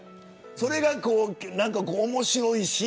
それが面白いし